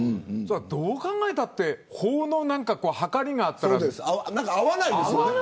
どう考えたって法の量りがあったら合わないんですよ。